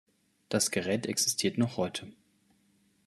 Das Gerät existiert noch heute.